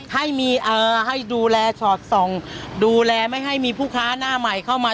ให้มีให้ดูแลสอดส่องดูแลไม่ให้มีผู้ค้าหน้าใหม่เข้ามา